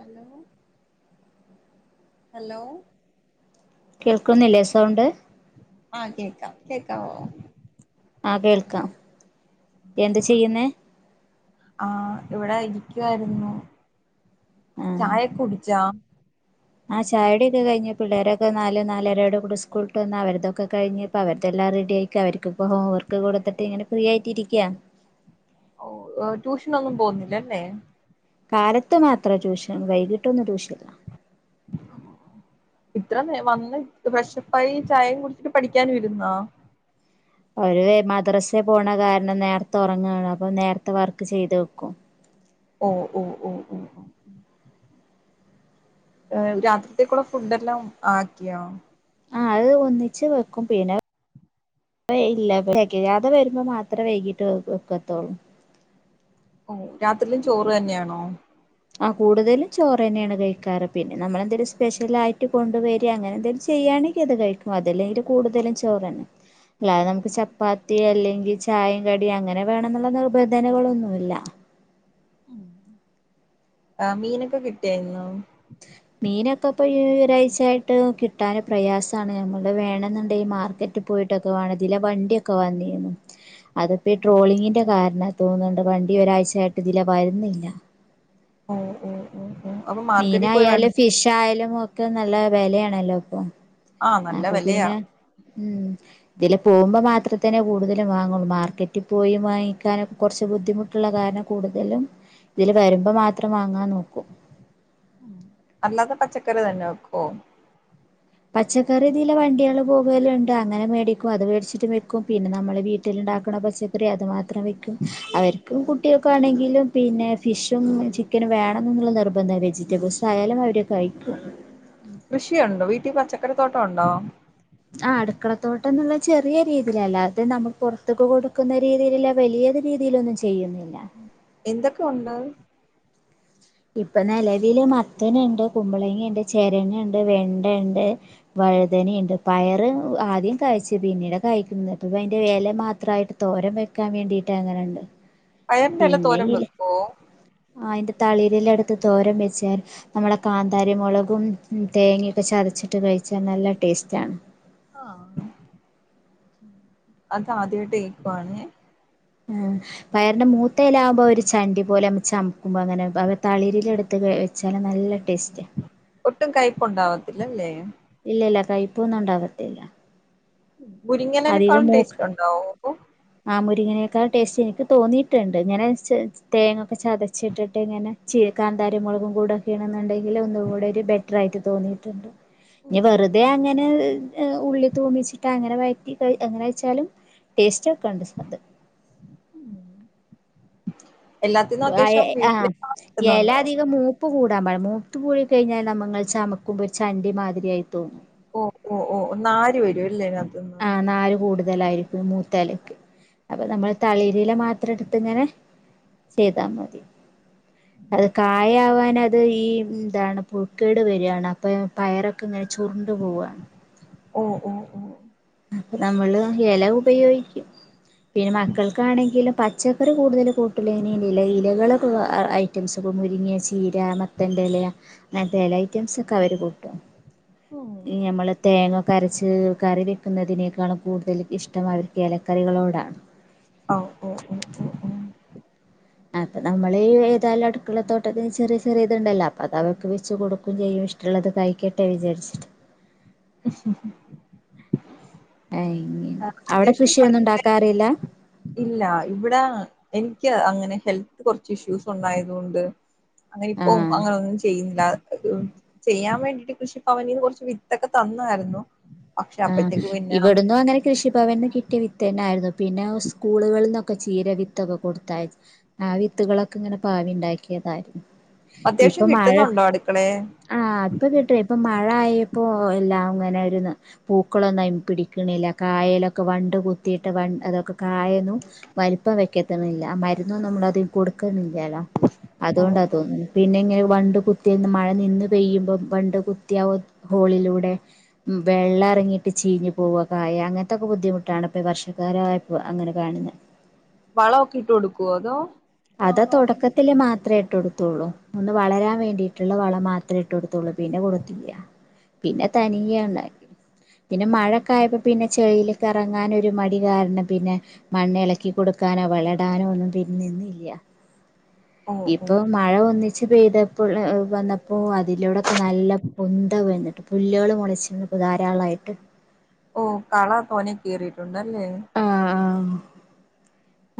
Hello hello കേൾക്കുന്നില്ലേ sound? ആഹ് കേക്കാം. കേക്കാവോ? ആഹ് കേൾക്കാം. എന്താ ചെയ്യുന്നേ? ആഹ്. ഇവിടെ ഇരിക്കുവായിരുന്നു. ചായയൊക്കെ കുടിച്ചാ? ആഹ് ചായകുടിയൊക്കെ കഴിഞ്ഞു പിള്ളേരൊക്കെ നാല് നാലരയോട് കൂടെ സ്കൂൾ വിട്ട് വന്ന് അവരതൊക്കെ കഴിഞ്ഞ്. അപ്പോ അവർതെല്ലാം റെഡി ആയിരിക്ക. അവർക്കിപ്പോ ഹോംവർക്ക് കൊടുത്തിട്ട് ഇങ്ങനെ ഫ്രീയായിട്ടിരിക്കാ. ഓഹ് ട്യൂഷനൊന്നും പോകുന്നില്ലല്ലേ? കാലത്ത് മാത്രം ട്യൂഷൻ. വൈകിട്ടൊന്നും ട്യൂഷനില്ല. ഇത്ര വന്ന് ഫ്രഷപ്പായി ചായയും കുടിച്ചിട്ട്, പഠിക്കാൻ ഇരുന്നോ? അവര് മദ്രസെ പോണ കാരണം നേരത്തെ ഉറങ്ങാണ്. അപ്പൊ നേരത്തെ വർക്ക് ചെയ്ത് വെക്കും. ഓഹ്, ഓഹ്, ഓഹ് ഓഹ് ഓഹ് ഏഹ് രാത്രിത്തേക്കൂള്ള ഫുഡെല്ലാം ആക്കിയോ? അഹ് അത്ഒന്നിച്ച് വെക്കും പിന്നെ അഇല്ല തെകയാതെവെരുമ്പോ മാത്രേ വൈകീട്ട് വെവെക്കത്തൊള്ളൂ. ഓഹ് രാത്രിയിലും ചോറെന്നെയാണോ? ആഹ് കൂടുതലു ചോറ് തന്നെണ് കയിക്കാറ് പിന്നെ നമ്മളെന്തേലും സ്പെഷ്യലായിട്ട് കൊണ്ടുവരിയ അങ്ങനെന്തെലും ചെയ്യാണെ- ഇത് കയിക്കും അതല്ലെങ്കി കൂടുതലും ചോറെൻ- [inaudible] [unintelligible] മ്മക്ക് ചപ്പാത്തി അല്ലെങ്കി ചായേംകടി അങ്ങനെ വേണെന്നുള്ള നിർബന്ധനകളൊന്നുല്ല ആ മീനൊക്കെ കിട്ടിയാഇന്ന്? മീനൊക്കെ ഇപ്പ ഈ ഒരാഴ്ചആയിട്ട് കിട്ടാൻ പ്രയാസാണ് മ്മൾടെ വേണെന്നുണ്ടെ ഈ മാർകെറ്റ്- ട്ട് പോയിട്ടൊക്കെവാണം ഇതിലെ വണ്ടിയൊക്കെവന്നിന്നു [inaudible] അത്പ്പോ ഈ ട്രോളിങ്ങിന്റെ കാരണ തോന്നുണ്ട് വണ്ടി ഒരാഴ്ചയായിട്ട് ഇതിലെവരുന്നില്ല ഓഹ് ഓഹ് ഉം ഉം അവ [unintelligible] മീനായാലും ഫിഷ്ആയാലും ഒക്കെന്നല്ലെ വിലയാണല്ലോ ഇപ്പൊ ആഹ് നല്ല വെലയാ അപ്പൊപിന്നെ ഉം ഇതിലെ പോവുമ്പോ മാത്രേതേനേ കൂടുതലും വാങ്ങുള്ളൂ മാർക്കറ്റി പോയി വാങ്ങിക്കാൻ കുറച്ച്ബുദ്ധിമു ട്ടുള്ള കാരണം കൂടുതലും ഇതില് വരുമ്പോ മാത്രം വാങ്ങാൻ നോക്കും. ഉം അല്ലാതെ പച്ചക്കറിതന്നെ വെക്കോ? പച്ചക്കറിതിലെ വണ്ടിയള് പോകല്ണ്ട് അങ്ങനെമേടിക്കും അത് മേടിച്ചിട്ട് വെക്കും പിന്നെ ന്നമ്മള് വീട്ടില്ണ്ടാക്കണ പച്ച ക്കറി അത് മാത്രംവെക്കും അവർക്കും കു ട്ടികക്കാണെങ്കിലും പിന്നെ ഫിഷും ചിക്കെനും വേണംന്ന്ന്നുള്ള നിർബന്ധം വെജിറ്റബിൾസ് ആയാലും അവര്- കയിക്കും കൃഷിയുണ്ടോ വീട്ടി പച്ചക്കറിത്തോട്ടൊണ്ടോ? ആഹ് അടുക്കളത്തോട്ടംന്നുള്ള ചെറിയ രീതിയില് അല്ലാതെ നമ പൊർത്ത്ക്ക്‌ കൊടുക്കുന്ന രീതിയിലില്ല വെലിയത് രീതിയിലൊന്നും ചെയ്യുന്നില്ല എന്തൊക്കൊ ഉണ്ട്? ഇപ്പൊ നെലവിൽ മത്തന്ണ്ട് കുമ്പളങ്ങണ്ട് ചെരെങ്ങണ്ട് വെണ്ടെണ്ട് വഴുതനീണ്ട് പയറ് ആദ്യം കായ്ച്ച് പിന്നീട് കായിക്കുന്ന ഇപ്പ അയ്ന്റെ എല മാത്രായിട്ട് തോരം വെക്കാൻ വേണ്ടിട്ട് അങ്ങനണ്ട് [inaudible] എല പിന്നെ തോരൻ ഇല വെക്കോ അയ്ന്റെ തളിരില എട്ത്ത് തോരം വെച്ചാൽ ന്നമ്മളെ കാന്താരി മൊളകും തേങ്ങയൊക്കെ ചതച്ചിട്ട് കഴ്ച്ചാ ന്നല്ലെ ടേസ്റ്റാണ്. ആഹ് അതാദ്യയിട്ട് കേൾക്കുവാണേ. ഉം പയറിന്റെ മൂത്തേലാമ്പോ ഒരു ചണ്ടി പോലെമ്മ ചമക്കുമ്പോ അങ്ങനെ അവ തളിരില എടുത്ത്ക [unintelligible] ചല് ന്നല്ലെടേസ്- ഒട്ടും കയ്പ്പുണ്ടാവത്തില്ലല്ലേ? ഇല്ലല്ലാ കൈപ്പൊന്നും ഉണ്ടാവത്തില്ല. മുരിങ്ങലനെക്കാളും ടേസ്റ്റ്ഒണ്ടോ ഓഹു? ആഹ് മുരിങ്ങനെക്കൾ ടേസ്റ്റ്എനിക്ക് തോന്നിട്ടുണ്ട് ഇങ്ങനെ ചെ തേങ്ങൊക്കെ ചതച്ചിട്ടിട്ട് ഇങ്ങനെ ചീ കാന്താരിമൊളകും കൂടെക്കെണ്ന്ന്ണ്ടെങ്കി ഒന്നുകൂടെ ഒര് ബെറ്ററായിട്ട് തോന്നിട്ടുണ്ട്. ഞ്ഞി ഉം വെറുതെ അങ്ങനെ ഹ് ഉള്ളി തൂമിച്ചിട്ട് അങ്ങനെ വയ് ട്ടികയ് ‌ എങ്ങനെയ്ച്ചാലും ടേസ്റ്റ്കെണ്ട് സാദ് എല്ലാത്തിന്നും അയെ അത്യാവശ്യം ആ വീട്ടില് എല കിട്ടുന്നുണ്ടോ അധികം മൂ പ്പ് കൂടാൻ പാടി മൂത്ത് പൂയ് കയിഞ്ഞാൽ ന്നമ്മങ്ൾ ചമക്കുമ്പോ ചണ്ടിമാതിരിയായി തോന്നും. ഓഹ് ഓഹ് ഓ ന്നാര് വെരു അല്ലേ അതിനാത്തുന്ന് ആ നാര് കൂടുതലായിരിക്കും മൂത്താല്ക്ക്- അപ്പൊ നമ്മൾ തളിരില മാത്രട്ത്ത് ഇങ്ങനെ ചെയ്താ മതി അത് കായാവാനത് ത് ഈ ന്താണ് പുഴുക്കേട് വര് ആണ് അപ്പൊ പയറൊക്കെങ്ങനെ ചുർണ്ട് പോവാണ് ഓ ഓ ഓ അപ്പൊ നമ്മള് എല ഉപയോയിക്കും പിന്നെ മക്കൾക്കാണെങ്കില് പച്ചക്കറി കൂടുതല് കൂട്ടൂലൈന് ഇല ഇലകളെക്കെ അയ് ഐറ്റംസൊക്കെ മുരിങ്ങ ചീര മത്തൻ്റെല അങ്ങൻത്തെ എല ഐറ്റംസൊക്കെ അവര് കൂട്ടും ഓ ഞമ്മള് തേങ്ങൊക്കെരച്ച് കറി വെ ക്കുന്നതിനേക്കാളും കൂടുതൽ ഇഷ്ടം അവര്ക്ക് എലക്കറികളോടാണ് ഔ ഓ ഓ ഓ ഓ അപ്പ നമ്മള് ഈ ഏതായാലും അടുക്കള തോട്ടത്തിന് ചെറിയ ചെറിയത്ണ്ടല്ലോ അപ്പ അത അവക്ക് വെച്ച് കൊടുക്കും ചെയ്യും ഇഷ് മറ്റുള്ളത് കഴിക്കട്ടെ വിചാരിച്ചിട്ട് [unintelligible] അയ്ങ്ങനെ അവടെ കൃഷിയൊന്നുണ്ടാക്കാറില്ല ഇല്ലാ ഇവിടെ എൻക്ക് അങ്ങനെ ഹെൽത്ത് കെർച്ച് ഇഷ്യൂസുണ്ടായതുകൊണ്ട് അങ്ങനെ ആ ഇപ്പോ അങ്ങനൊന്നും ചെയ്യുന്നില്ല ചെയ്യാൻ വേണ്ടിട്ട് കൃഷിഭവനിന്ന് കൊർച്ച് വിത്തൊക്കെ തന്നായിരുന്നു പക്ഷെ ആഹ് അപ്പഴത്തേക്ക് പിന്നെ ഇവിടുന്നു അങ്ങനെ കൃഷിഭവൻന്ന് കിട്ടിയ വിത്തെന്നൊയിരുന്നു പിന്നെ സ്കൂളുകളിൽ ന്നൊക്കെ ചീര വിത്തൊക്കെ കൊടുത്തായ ആ വിത്തുകളൊക്കെങ്ങനെ പാവിണ്ടാക്കിയതായിരുന്നു അത്യാവശ്യം കിട്ടുന്നൊണ്ടോ അടുക്കളേ ആഹ് ഇപ്പൊ കിട്ടൊയ് ഇപ്പ മഴ ആയപ്പോ എല്ലാം ഇങ്ങനെരോന്ന് പൂക്കളൊന്നയ്മെ പിടിക്ക്ണില്ല കായേലൊക്കെ വണ്ട് കുത്തിയിട്ട് വണ് അതൊക്കെ കായെന്നും വലിപ്പം വെക്കത്തണില്ല ആ മരുന്നൊന്നും നമ്മൾ അതിന് കൊടുക്ക്ണ്ല്ല്യല്ലോ ഓ അത്കൊണ്ടാ തോന്ന്ണ് പിന്നെ ഇങ്ങനെ വണ്ട് കുത്തിയേന്ന് മഴ നിന്ന് പെയ്യുമ്പം വണ്ട് കുത്തിയ ഹോളിലൂടെ ഉം വെള്ളെർ എർങ്ങിട്ട് ചീഞ്ഞ് പോവു ആ കായ അങ്ങനത്തൊക്കെ ബുദ്ധിമുട്ടാണ് ഇപ്പ ഈ വർഷക്കാലായപ്പൊ അങ്ങനെ കാണ്ന്നേ വളൊക്കെ ഇട്ട് കൊടുക്കോ അതോ അതാ ആ തൊടക്ക ത്തില് മാത്രേ ഇട്ടൊടുത്തുള്ളൂ. ഒന്ന് വളരാൻ വേണ്ടിട്ട്ള്ള വളം മാത്രേ ഇട്ട് കൊടുത്തുള്ളൂ പിന്നെ കൊടുത്തില്ല്യ പിന്നെ തനിയെണ്ടായി പിന്നെ മഴക്കെ ഓ ആയപ്പപിന്നെ ചെയില് കെറങ്ങാനൊരു മടി കാരണം പിന്നെ മണ്ണിളക്കി കൊടുക്കാനോ വളടാനോ ഒന്നും പിന്നെ നിന്നില്ല യ്യ ഓ ഈ ഓ പ്പോ മഴ ഒന്നിച്ച് പെയ്തപ്പൊള് വന്നപ്പോ അതിലൂടൊക്കെ നല്ല പൊന്ത വന്നിട്ട് പുല്ലാള് മൊളച്ചീന്ന് ഇപ്പ ധാരാളായിട്ട് ഓ കള തോനെ കീറീട്ടുണ്ടല്ലേ ആഹ് ആഹ്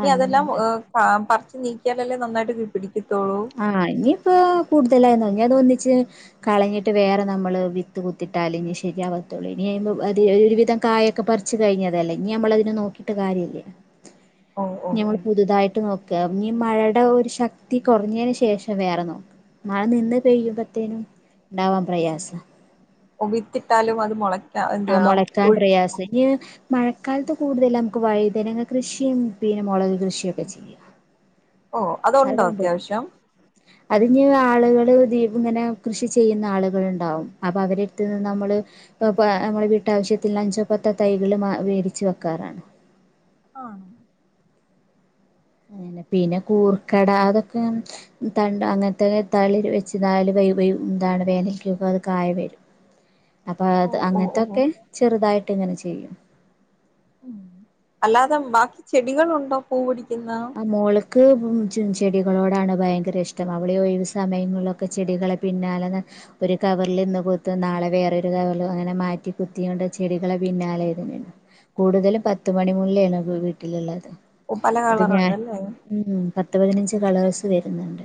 ഇനി അതെല്ലാം അങ്ങനെണ്ട് ഏം ആം പർച്ച് നീക്കിയാലല്ലേ നന്നായിട്ട് കിട് പിടിക്കത്തൊള്ളു ആഹ് ഇനിയിപ്പോ കൂടുതലായിന്ന് ഇഞ്ഞ് അത് ഒന്നിച്ച് കളഞ്ഞിട്ട് വേറെ നമ്മള് വിത്ത് കുത്തിട്ടാല് ഇഞ്ഞ് ശരിയാവത്തൊള്ളൂ ഇനി അയ്ന് അത് ഒരുവിധം കായ ഒക്കെ പറിച്ച് കഴിഞ്ഞതല്ലേ ഇഞ് ഞമ്മളതിനെ നോക്കിട്ട് കാര്യല്ല്യ [inaudible] ഇഞ് ഓ ഞമ്മള് പുതുതായിട്ട് നോക്ക ഇഞ് മഴടെ ഒരു ശക്തി കെറഞ്ഞേന് ശേഷം വേറെ നോക്കും. മഴ നിന്ന് പെയ്യുമ്പത്തേനും ഇണ്ടാവാൻ പ്രയാസാ ഒ വിത്തിട്ടാലും അത് മൊള ആ മൊളക്കാൻ പ്രയാസാ ഞ് മഴക്കാലത്ത് കൂടുതലമ്മക്ക് വഴുതനങ്ങ കൃഷിം പിന്നെ മൊളക് കൃഷിയൊക്കെ ചെയ്യ ഓ അതൊണ്ടോ അത്യാവശ്യം അതിഞ് ആള്കള് ദീപ്ങ്ങനെ കൃഷി ചെയ്യ്ന്ന ആള്കള്ണ്ടാവും അപ്പ അവരെടുത്ത്ന്ന് നമ്മള് പ്പ പ്പാ അമ്മള് വീട്ടാവശ്യത്തിൽ അഞ്ചോ പത്തോ തൈകള് മാ വേതിച്ച് വെക്കാറാണ് ആണ അനെ പിന്നെ കൂർക്കട അതൊക്കെ തണ്ട് അങ്ങനത്തെത്താ വെച്ച് നാല് വ എന്താണ് വേനയ്ക്കക്ക അത് കായ വരും [inaudible] അപ്പൊ ഓ അത് ഓ ഓ അങ്ങനത്തൊക്കെ ചെറുതായിട്ട് ഇങ്ങനെ ചെയ്യും അല്ലാതെ ബാക്കി ചെടികളുണ്ടോ പൂ പിടിക്കുന്ന മോള്ക്ക് ചെടികളോടാണ് ഭയങ്കര ഇഷ്ടം അവള ഒഴിവ് സമയങ്ങളക്കെ ഒക്കെ ചെടികളെ പിന്നെ അലെ ഒരു കവറൽ ഇന്ന് കുത്ത് നാളെ വേറൊരു കവറൽ അങ്ങനെ മാറ്റി കുത്തി കൊണ്ട് ചെടികളെ പിന്നാലെ ഇതിനണ്ട് കൂടുതല പത്ത് മണി മുല്ലാണ് വീട്ടിലുള്ളത് പല അത് ഞാൻ കളറുണ്ടല്ലേ ഉം പത്ത് പതിനഞ്ച് കളേഴ്സ് വരുന്നുണ്ട്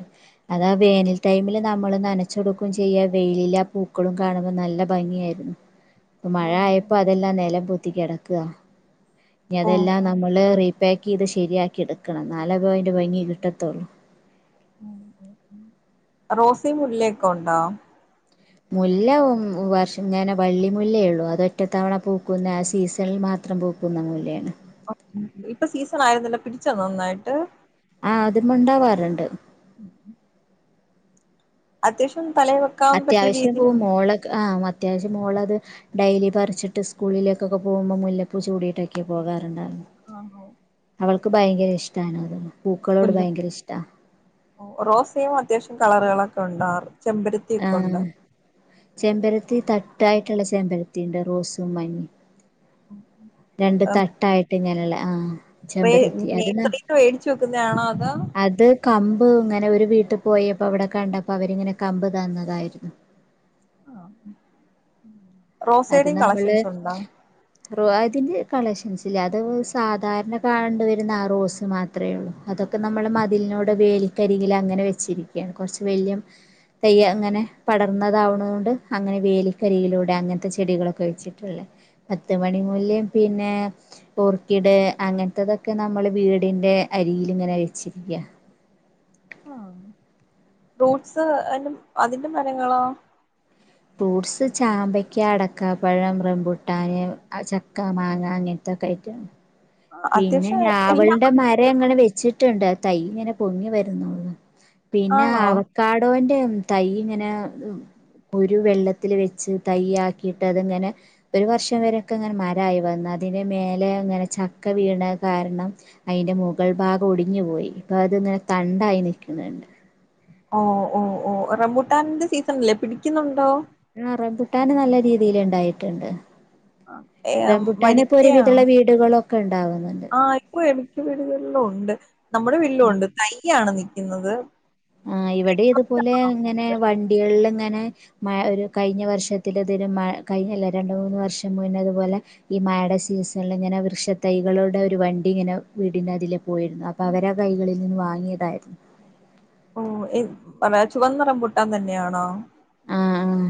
അതാ ഓ വേനൽ ടൈമിൽ നമ്മള് നനച്ചൊടുക്കും ചെയ്യാ വെയിലിലാ പൂക്കളും കാണുമ്പോൾ നല്ല ഭംഗിയായിരുന്നു മഴ ഓ ആയപ്പോ അതെല്ലാം നിലം പൊത്തി കിടക്കുക ഇനി ഓ അതെല്ലാം ഓ നമ്മള് പാക്ക് ചെയ്ത് ശരിയാക്കി എടുക്കണം നാല് പോയിന്റ് ഭംഗി കിട്ടത്തുള്ളൂ റോസയും മുല്ലൊക്കെ ഉണ്ടോ മുല്ല വർഷം ഇങ്ങനെ വള്ളി മുല്ലേ ഉള്ളൂ അതൊറ്റത്തവണ പൂക്കുന്ന ആഹ് സീസണിൽ മാത്രം ത്രം പൂക്കുന്ന മൂല്ലയാണ് ഇപ്പൊ സീസൺ ആയിരുന്നല്ലോ പിടിച്ചന്ന നന്നായിട്ട് ആഹ് അത് മണ്ടാവാറുണ്ട് [inaudible] അത്യാഷം തല അത്യാവശ്യം ഇ പോ മോളെ ആഹ് അത്യാവശ്യം മോളത് ഡെലി പറിച്ചിട്ട് സ്കൂളിലേക്കൊക്കെ പോകുമ്പോൾ മുല്ലപ്പൂ ചൂടിട്ടൊക്കെ പോകാറുണ്ടായിരുന്നു ആഹ് [unintelligible] അവൾക്ക് ഭയങ്കര ഇഷ്ടാണ് അത് പൂക്കളോട് മുല്ല ഭയങ്കര ഇഷ്ടാ ഓ റോസയും അത്യാവശ്യം കളറുകളൊക്കെ ഉണ്ടാവും ചെമ്പരത്തി ആഹ് ചെമ്പരത്തി തട്ടായിട്ടുള്ള ചെമ്പരത്തി ഉണ്ട് റോസും മഞ്ഞ രണ്ടു തട്ടായിട്ട് ഇങ്ങനല്ല ആഹ് ചെമ്പരത്തി അത് ന നസറക്ക് മേടച്ച് വെക്കുന്നത ആണോ അതോ അത് കമ്പ് ഇങ്ങനെ ഒരു വീട്ടിൽ പോയപ്പോ അവിടെ കണ്ടപ്പോ അവരിങ്ങനെ കമ്പ് തന്നതായിരുന്നു ആഹ് റോസൈഡയും കളക്ഷൻസ് ഉണ്ടാ റോ അതിന്റെ കളക്ഷൻസ്ല്ല അത് സാധാരണ കണ്ട് വരുന്ന ആഹ് റോസ് മാത്രം അത്രയേ ഉള്ളൂ അതൊക്കെ നമ്മൾ മതിലിനോട് വേൽക്കരികൽ അങ്ങനെ വെച്ചിരിക്കുകയാണ് കുറച്ച് വല്യയ തൈ്യ അങ്ങനെ പടർന്നതാവുന്നതുകൊണ്ട് അങ്ങനെ വേലിക്കരിയിലൂടെ അങ്ങനെ ത്തെ ചെടികളൊക്കെ വെച്ചിട്ടുള്ള പത്ത് മണി മൂല്ം പിന്നെ ഓർക്കിഡ് അങ്ങനത്തതൊക്കെ നമ്മള് വീടിന്റെ അരിൽ ഇങ്ങനെ വെച്ചിരിക്കയാ ആഹ് ഫ്രൂട്ട്സ് അഹ് അതിന്റെ മരങ്ങളാ ഫ്രൂട്ട്സ് ചാമ്പയ്ക്ക അടക്കാ പഴം റം പുട്ടാന്ൻ ചക്ക മാങ്ങ അങ്ങനെ തക്ക ഐറ്റം പിന്നെ അത്യാവശ്യം എല്ലാ ഞാവളുടെ മരം അങ്ങനെ വെച്ചിട്ടുണ്ട് തൈ ഇങ്ങനെ പൊങ്ങി വരരുന്നുള്ളു പിന്നെ ആണോ അവക്കാടോന്റെ തൈ ഇങ്ങനെ ഒരു വെള്ളത്തിൽ വെച്ച് തൈ ആക്കിയിട്ട് അതിങ്ങനെ ഒരു വർഷം വരെൊക്കെ ഇങ്ങനെ മരമായി വന്നു അതിന്റെ മേലെ അങ്ങനെ ചക്ക വീണ കാരണം അതിന്റെ മുഗൾ ഭാഗം ഒടിഞ്ഞു പോയി ഇപ്പൊ അത് ഇങ്ങനെ തണ്ടായി നൽക്കുന്നുണ്ട് ഓ ഓ ഓ റമൂട്ടാന്റെ സീസൺ അല്ലേ പിടിക്കുന്നുണ്ടോ ആഹ് റബുട്ടാന് നല്ല രീതിൽ ഉണ്ടായിട്ടുണ്ട് ഏ റംപുട്ടാനെപ്പോൊ ഒരു വരിക്കയാണോ വിധുള്ള വീടുകളൊക്കെ ഉണ്ടാവുന്നുണ്ട് ഓ മിക്ക വീടുകളില ഉണ്ട് നമ്മുടെ വീട്ടും ഉം ഉണ്ട് തയ്യാണ് നിൽക്കുന്നത് ആഹ് ഇവിടെ ഇതുപോലെ ഇങ്ങനെ വണ്ടികളിൽ ഇങ്ങനെ മഴ ഒരു കഴിഞ്ഞ വർഷത്തിലതി മ കഴിഞ്ഞല്ല രണ്ട് മൂന്ന് വർഷം മുന്നേ ഇതുപോലെ ഈ മഴയുടെ സീസണിലിങ്ങനെ വൃക്ഷത്തൈകളുടെ ഒരു വണ്ടി ഇങ്ങനെ വീടിന്റെ അതിലേ പോയിരുന്നു. അപ് അപ്പ അവര കൈകളിൽ നിന്ന് വാങ്ങിയതായിരുന്നു. ഓ എ കുറെ ചുവന്ന റംമ്പൂട്ടാൻ തന്നെയാണോ? ആഹ് ആഹ്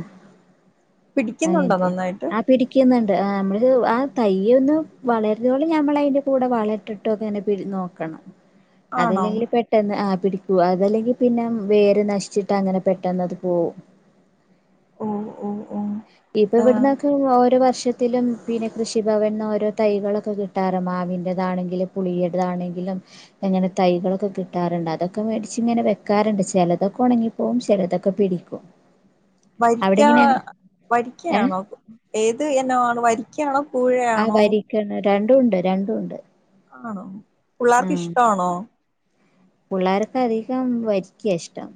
പിടിക്കുന്നുണ്ടോ അങ്ങൻതെ നന്നായിട്ട് അഗ് പിടിക്കുന്നുണ്ട്. ആഹ് നമ്മള് ആ തയ്യന്ന് വളരോളം നമ്മള അയിൻ്റെ കൂടെ വളട്ടും ട്ടോ ഒക്കെ എന്നെ പിയി നോക്കണം [unintelligible] അതല്ലെങ്കിൽ പെട് പെട്ടെന്ന് ആ പിടിക്കൂ. അതല്ലെങ്കി പിന്നെ വേര് നശിച്ചിട്ട് അങ്ങനെ പെട്ടെന്ന് അത് പോവും. ഓഹ് ഓഹ് ഇത് ഇവിടുന്നൊക്കെ ഓരോ വർഷ ത്തിലും പിന്നെ കൃഷിഭവൻന്ന് ഓരോ തൈകളൊക്കെ കിട്ടാറ് മാവിൻ്റെതാണെങ്കിലും, പുളിയട്താണെങ്കിലും, അങ്ങനെ തൈകളൊക്കെ കിട്ടാറുണ്ട്. അതൊക്കെ മേടിച്ച് ഇങ്ങനെ വെക്കാറുണ്ട് ചിലതൊക്കെ ഉണങ്ങിപോ വും ചെലത്തൊക്കെ പിടിക്കൂം വരിക്ക ഏ വരിക്കയാണോ? ഏത് ഇനോണ് വരിക്ക വരിക്കാണോ? പൂഴയാണോ? ക്ക് രണ്ടും ഉണ്ട്, രണ്ടും ഉണ്ട്. ആണോ? പുള്ളേർക്ക് ഇഷ്ടണോ? പുള്ളാർക്ക് അധികം വരിക്ക ഇഷ്ടം.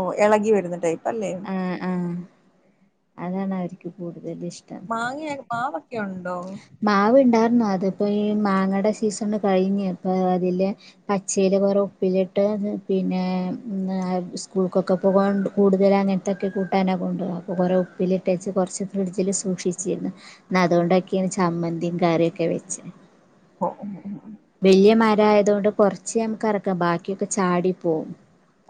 ഓ എളകി വരുന്ന ടൈപ്പ് അല്ലേ? ആഹ് ആഹ്. അതാണ് അവർക്ക് കൂടുതല് ഇഷ്ടം. മാങ്ങയ മാവൊക്കെ ഉണ്ടോ? മാവ് ഇണ്ടാര്ന്നു അതിപ്പോ ഈ മാങ്ങയുടെ സീസൺ കഴിഞ്ഞ് പ്പ അതില് പച്ചയില് കുറെ ഉപ്പിലിട്ട്. പിന്നെ ന്ന് സ്കൂൾക്കൊക്കെ പോകാൻ കൂടുതല അങ്ങ ത്തൊക്കെ കൂട്ടാന കൊണ്ടോവ. അപ്പോൾ കുറേ ഉപ്പിലിട്ടേച് കൊറച്ച് ഫ്രഡ്ജിൽ സൂക്ഷിച്ചിര്ന്ന് ന്ന അതുകൊണ്ട ക്ക ചമ്മതി കറിയൊക്കെ വെച്ച്ണ്. [unintelligible] വയ്യ മര ആയതൊണ്ട് കൊറച്ച് നമുക്ക് അറക്കാം. ബാക്കിയൊക്കെ ചാടി പോവും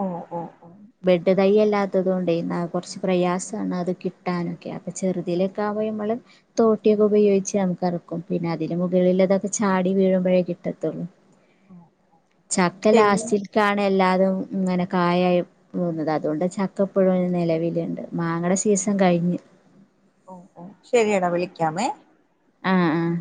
ഓ ഓ ഓ ഓ [unintelligible] തൈല്ലാത്തതോണ്ട്. ന്ന കുറച്ച് പ്രയാസാണ് അത് കിട്ടാനൊക്കെ അപ്പൾ ചെറുതയിലേക്ക ആവേയ്മ്മള് തോട്ടിയൊക്കെ ഉപയോഗിച്ച് നമ്മുക് അറക്കും. പിന്നെ അതിന് മുകളില് തൊക്കെ ചാടി വീഴുമ്പോഴേക്കിട്ടും. ട്ടതോളൂ ശരി ചക്കലാസ്റ്റിൽ കാണ്. എല്ലാരും ഇങ്ങനെ കായ പോവുന്നത് അതുകൊണ്ട് ചക്കപ്പഴും നിലവിലുണ്ട്. മാങ്ങയുടെ സീസൺ കഴിഞ്ഞ്. ഓ ഓ ശെരിയടാ വിളിക്കാമേ? ആഹ് ആഹ്